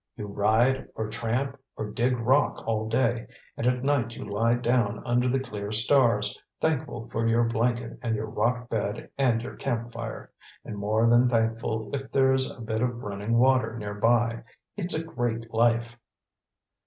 "You ride, or tramp, or dig rock all day; and at night you lie down under the clear stars, thankful for your blanket and your rock bed and your camp fire; and more than thankful if there's a bit of running water near by. It's a great life!"